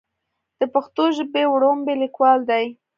د پښتو ژبې وړومبے ليکوال دی